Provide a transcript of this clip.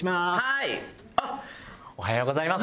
おはようございます。